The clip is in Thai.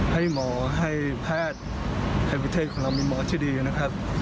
ให้หมอให้แพทย์ในประเทศของเรามีหมอที่ดีนะครับ